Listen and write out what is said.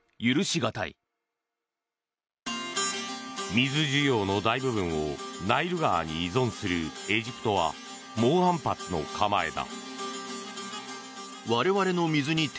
水需要の大部分をナイル川に依存するエジプトは猛反発の構えだ。